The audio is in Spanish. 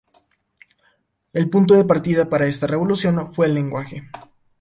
El punto de partida para esta revolución fue el lenguaje.